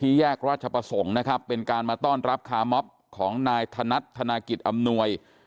แยกราชประสงค์นะครับเป็นการมาต้อนรับคามอบของนายธนัดธนากิจอำนวย